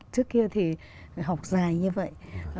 trước kia thì học dài như vậy